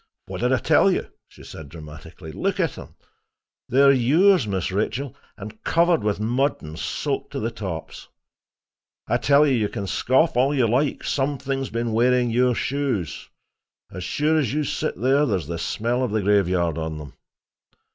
"What did I tell you?" she said dramatically. "Look at 'em. They're yours, Miss Rachel—and covered with mud and soaked to the tops. I tell you, you can scoff all you like; something has been wearing your shoes. As sure as you sit there, there's the smell of the graveyard on them.